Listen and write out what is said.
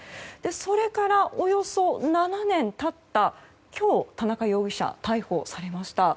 それからおよそ７年経った今日田中容疑者逮捕されました。